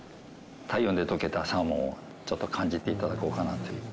体温で溶けたサーモンをちょっと感じていただこうかなという。